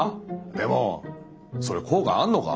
でもそれ効果あんのか？